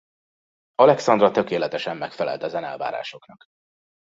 Alekszandra tökéletesen megfelelt ezen elvárásoknak.